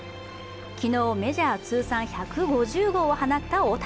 昨日、メジャー通算１５０号を放った大谷。